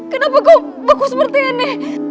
kenapa beku seperti ini